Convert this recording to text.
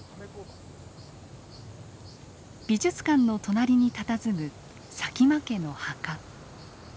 美術館の隣にたたずむ佐喜眞家の墓。